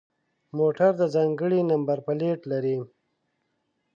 موټر د ځانگړي نمبر پلیت لري.